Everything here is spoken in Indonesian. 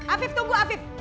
api tunggu api